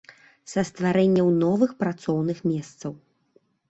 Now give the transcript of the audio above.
Са стварэннем новых працоўных месцаў.